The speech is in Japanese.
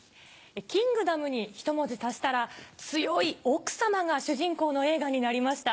『キングダム』にひと文字足したら強い奥様が主人公の映画になりました。